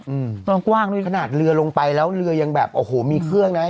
อืมต้องกว้างด้วยขนาดเรือลงไปแล้วเรือยังแบบโอ้โหมีเครื่องนะ